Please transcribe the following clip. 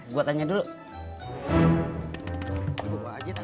gue tanya dulu